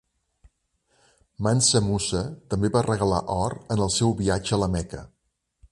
Mansa Musa també va regalar or en el seu viatge a La Meca.